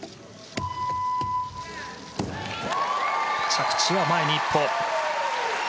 着地は前に１歩。